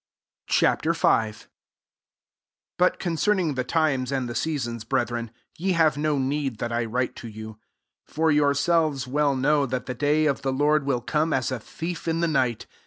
* Ch. V. 1 But concerning the times and the seasons, brethren, jre have no need that I write to you. 2 For yourselves well know that the day of the Lord will come as a thief in the night.